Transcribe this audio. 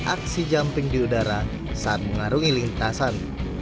aksi jumping di udara saat mengarungi lintasan